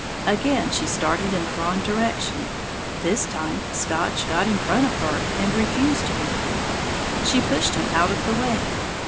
Again she started in the wrong direction; this time Scotch got in front of her and refused to move. She pushed him out of the way.